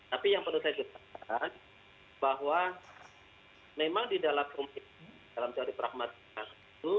tapi yang perlu saya katakan bahwa memang di dalam umum dalam teori pragmatik